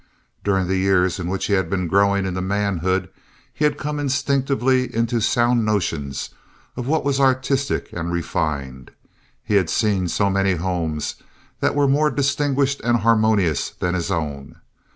During the years in which he had been growing into manhood he had come instinctively into sound notions of what was artistic and refined. He had seen so many homes that were more distinguished and harmonious than his own.